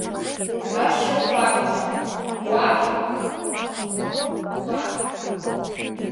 Уҳәашьа хәарҭам, уажәа ахы ахьцо гәаҭ!